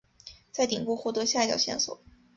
在顶部获得下一条线索。